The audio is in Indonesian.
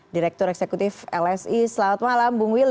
direktur eksekutif lsi selamat malam bung will